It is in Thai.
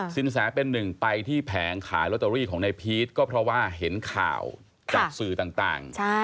สินแสเป็นหนึ่งไปที่แผงขายลอตเตอรี่ของนายพีชก็เพราะว่าเห็นข่าวจากสื่อต่าง